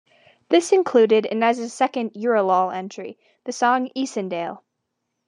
This included Ines' second "Eurolaul" entry, the song "Iseendale".